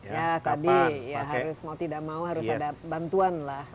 ya tadi ya harus mau tidak mau harus ada bantuan lah